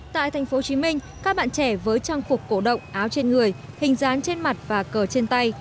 tại tp hcm các bạn trẻ với trang phục cổ động áo trên người hình dán trên mặt và cờ trên tay